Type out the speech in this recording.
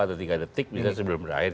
akhir dua atau tiga detik sebelum berakhir